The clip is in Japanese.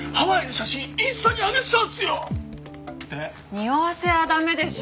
におわせは駄目でしょ。